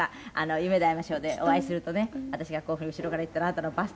『夢であいましょう』でお会いするとね私がこういうふうに後ろからいったらあなたのバスト。